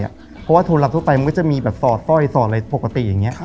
เพราะว่าโทรลับทั่วไปมันก็จะมีแบบสอดสร้อยสอดอะไรปกติอย่างนี้